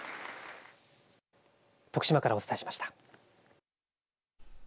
徳島からお伝えしました。